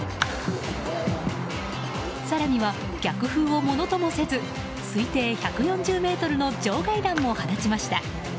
更には、逆風をものともせず推定１４０ｍの場外弾も放ちました。